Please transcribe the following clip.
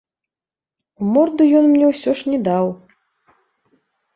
У морду ён мне ўсё ж не даў.